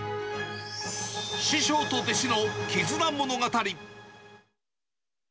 師匠と弟子の絆物語。